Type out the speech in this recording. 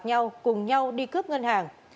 nhau cùng nhau đi cướp ngân hàng